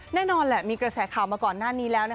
แน่นอนแหละมีกระแสข่าวมาก่อนหน้านี้แล้ว